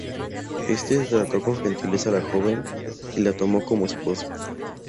Éste trató con gentileza a la joven y la tomó como esposa.